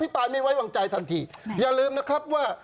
ปลายไม่ไว้วางใจทันทีอย่าลืมนะครับว่า